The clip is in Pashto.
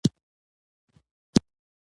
زه په هر څه پوهېږم بې غمه اوسه.